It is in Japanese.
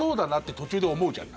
途中で思うじゃん。